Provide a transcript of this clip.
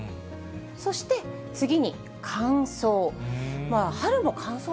そして、次に乾燥。